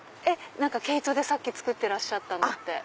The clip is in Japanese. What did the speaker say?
毛糸でさっき作ってらっしゃったのって。